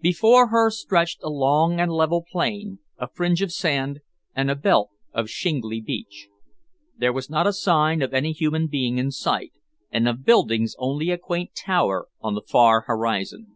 Before her stretched a long and level plain, a fringe of sand, and a belt of shingly beach. There was not a sign of any human being in sight, and of buildings only a quaint tower on the far horizon.